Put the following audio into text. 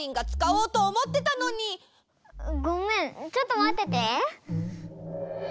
ごめんちょっとまってて。